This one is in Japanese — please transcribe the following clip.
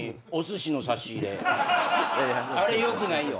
あれよくないよ。